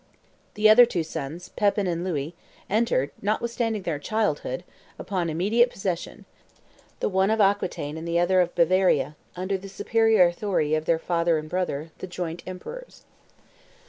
The two other sons, Pepin and Louis, entered, notwithstanding their childhood, upon immediate possession, the one of Aquitaine and the other of Bavaria, under the superior authority of their father and their brother, the joint emperors.